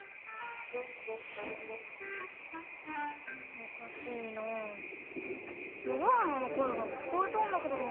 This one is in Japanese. おかしいな。のはーなのこえがきこえたんだけどな。